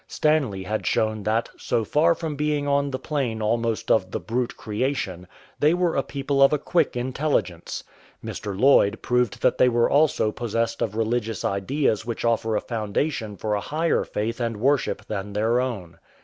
Stanley had shown that, so far from being on the plane almost of the brute creation, they were a people of a quick intelligence. Mr. Lloyd proved that they were also possessed of religious ideas which offer a foundation for a higher faith and worship than their own.